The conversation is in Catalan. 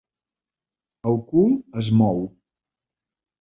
El cul es mou.